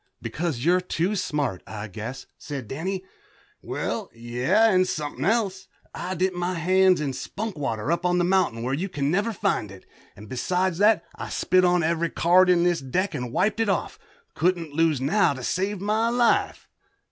"Because you're too smart, I guess," said Danny. "Well, yeah, and somethin' else. I dipped my hands in spunk water, up on the mountain where you can never find it, and besides that I spit on ever' card in this deck and wiped it off. Couldn't lose now to save my life."